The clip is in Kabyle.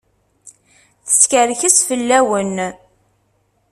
Teskerkes fell-awen.